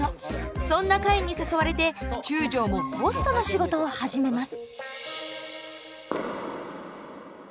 そんなカインに誘われて中将もホストの仕事を始めます。